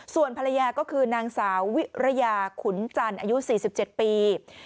ส่วนภรรยาก็คือนางสาววิรยาขุนจันทร์อายุ๔๗ปี